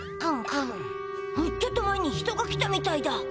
ちょっと前に人が来たみたいだ。